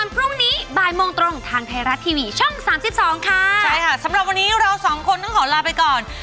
โปรดติดตามตอนต่อไป